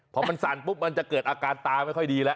พอมันสั่นปุ๊บมันจะเกิดอาการตาไม่ค่อยดีแล้ว